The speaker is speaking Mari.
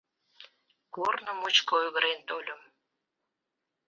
Корно мучко ойгырен тольым.